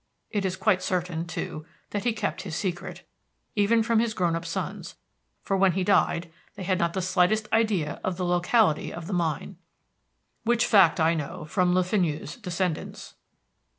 It is quite certain, too, that he kept his secret, even from his grown up sons; for when he died, they had not the slightest idea of the locality of the mine, which fact I know from Le Fenu's descendants.